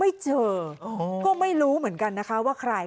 ไม่เจอก็ไม่รู้เหมือนกันนะคะว่าใคร